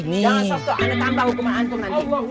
jangan soft talk ana tambah hukuman antum nanti